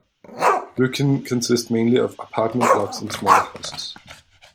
Rykkinn consists mainly of apartment blocks and smaller houses.